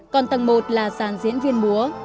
còn tầng một là dàn diễn viên múa